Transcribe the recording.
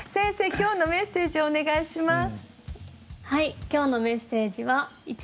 今日のメッセージをお願いします。